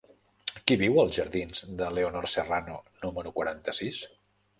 Qui viu als jardins de Leonor Serrano número quaranta-sis?